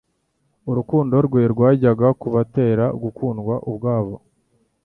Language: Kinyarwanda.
Urukundo rwe rwajyaga kubatera gukundwa ubwabo,